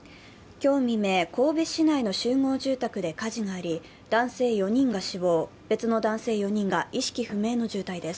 今日未明、神戸市内の集合住宅で火事があり、男性４人が死亡、別の男性４人が意識不明の重体です。